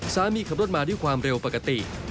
สามีขับรถมาด้วยความเร็วปกติ